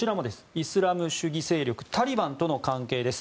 イスラム主義勢力タリバンとの関係です。